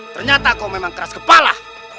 ternyata kau memang keras kepala